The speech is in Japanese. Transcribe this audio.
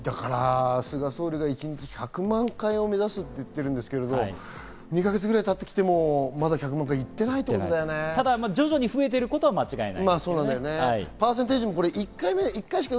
菅総理が一日１００万回を目指すと言ってるんですけど、２か月ぐらいたって来ても、まだ１００万回ただ徐々に増えていることは間違いない。